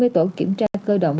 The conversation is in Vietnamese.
hai mươi tổ kiểm tra cơ động